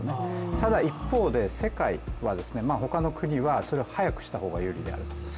ただ一方で、世界はほかの国はそれを早くしたほうが有利である。